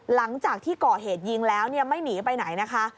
หลังจากที่ก่อเหตุยิงแล้วไม่หนีไปไหนนะคะ